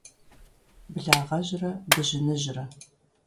Благъэжьрэ дыжьыныжьрэ.